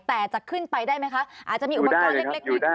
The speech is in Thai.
แต่จะขึ้นไปได้ไหมคะอาจจะมีอุปกรณ์เล็กนิด